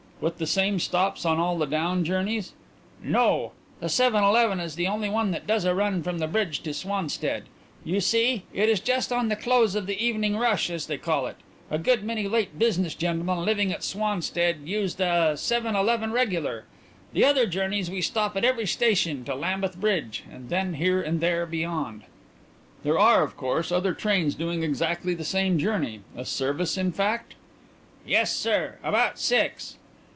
"With the same stops on all the down journeys?" "No. The seven eleven is the only one that does a run from the Bridge to Swanstead. You see, it is just on the close of the evening rush, as they call it. A good many late business gentlemen living at Swanstead use the seven eleven regular. The other journeys we stop at every station to Lambeth Bridge, and then here and there beyond." "There are, of course, other trains doing exactly the same journey a service, in fact?" "Yes, sir. About six."